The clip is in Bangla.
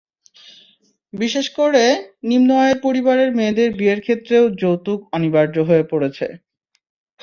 বিশেষ করে, নিম্ন আয়ের পরিবারের মেয়েদের বিয়ের ক্ষেত্রেও যৌতুক অনিবার্য হয়ে পড়েছে।